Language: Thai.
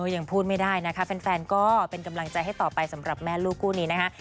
ยังพูดไม่ได้นะคะแฟนก็เป็นกำลังใจให้ต่อไปสำหรับแม่ลูกคู่นี้นะคะ